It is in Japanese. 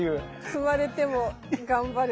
踏まれても頑張る。